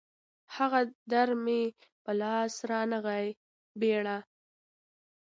هغه در مې په لاس نه راغی بېړيه